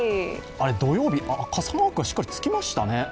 土曜日、傘マークがしっかりつきましたね。